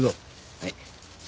はい。